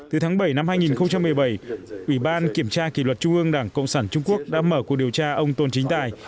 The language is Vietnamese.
từ tháng bảy năm hai nghìn một mươi bảy ủy ban kiểm tra kỷ luật trung ương đảng cộng sản trung quốc đã mở cuộc điều tra ông tôn chính tài